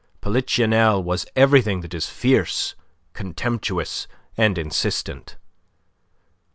Polichinelle was everything that is fierce, contemptuous, and insistent.